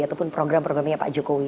ataupun program programnya pak jokowi